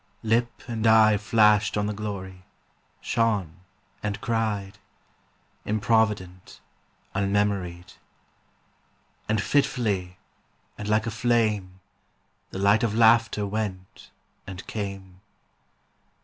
Lip and eye Flashed on the glory, shone and cried, Improvident, unmemoried; And fitfully and like a flame The light of laughter went and came.